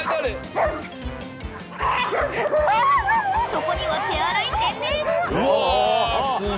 ［そこには手荒い洗礼が］